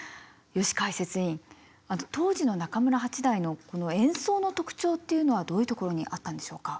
ヨシかいせついん当時の中村八大の演奏の特徴っていうのはどういうところにあったんでしょうか？